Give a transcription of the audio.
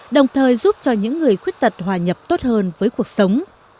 đồng thời giúp cho những người khuyết tật hòa nhập tốt hơn với cuộc sống